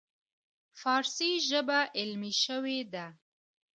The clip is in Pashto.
فارسي ژبه علمي شوې ده.